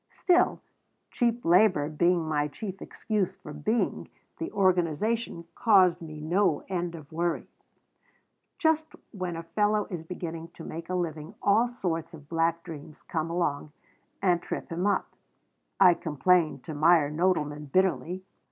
Still, cheap labor being my chief excuse for being, the organization caused me no end of worry "Just when a fellow is beginning to make a living all sorts of black dreams will come along and trip him up," I complained to Meyer Nodelman, bitterly.